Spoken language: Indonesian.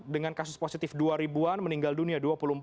dengan kasus positif dua ribuan meninggal dunia dua puluh empat